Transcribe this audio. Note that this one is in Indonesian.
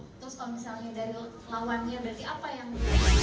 terus kalau misalnya dari lawannya berarti apa yang